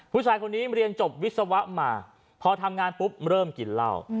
ผู้ชายคนนี้เรียนจบวิศวะมาพอทำงานปุ๊บเริ่มกินเหล้า